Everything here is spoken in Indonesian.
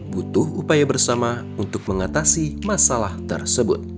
butuh upaya bersama untuk mengatasi masalah tersebut